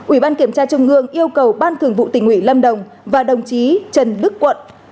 ủy ban kiểm tra trung ương yêu cầu ban thường vụ tỉnh ủy lâm đồng và đồng chí trần đức quận